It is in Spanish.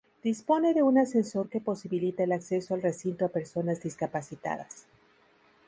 Dispone de un ascensor que posibilita el acceso al recinto a personas discapacitadas.